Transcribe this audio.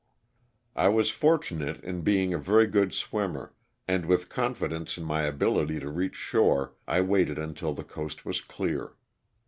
I was fortunate in being a very good swimmer, and with confidence in my ability to reach shore I waited until the coast was clear.